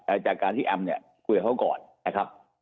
จากการที่แอมเนี่ยคุยกับเขาก่อนนะครับ